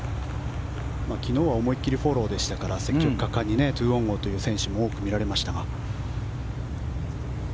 昨日は思い切りフォローでしたが積極果敢に２オンをという選手も多く見られましたが。